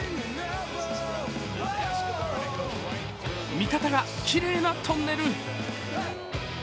味方がきれいなトンネル。